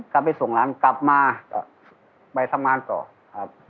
กลับไปส่งหลานกลับมาก็ไปทำงานต่อครับ